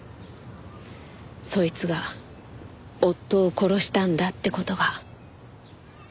そいつが夫を殺したんだって事が。